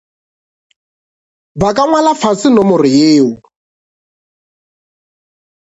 Ba ka ngwala fase nomoro yeo.